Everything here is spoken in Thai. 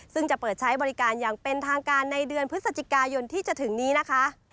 ซึ่งจะเปิดใช้บริการอย่างเป็นทางการในเดือนพฤศจิกายนที่จะถึงนี้นะคะ